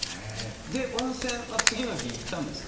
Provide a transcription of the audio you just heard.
で温泉は次の日行ったんですか？